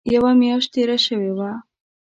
یوه میاشت تېره شوې وه.